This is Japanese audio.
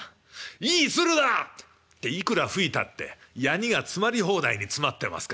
いい鶴だ！」っていくら吹いたってやにが詰まり放題に詰まってますから息が通らない。